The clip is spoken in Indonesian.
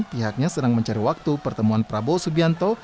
pihaknya sedang mencari waktu pertemuan prabowo subianto